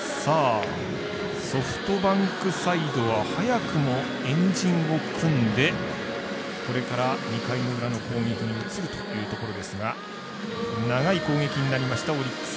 ソフトバンクサイドは早くも円陣を組んでこれから２回の裏の攻撃に移るということですが長い攻撃になりましたオリックス。